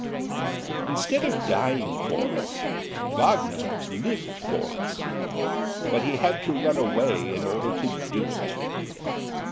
Instead of dying for us, Wagner lived for us, but he had to run away in order to do it.